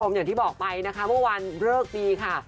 อย่างที่บอกไปนะคะเมื่อวานเลิกดีค่ะ